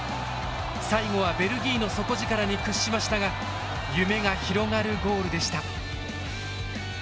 最後はベルギーの底力に屈しましたが夢が広がるゴールでした。